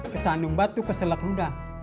ke sandung batu ke selak luda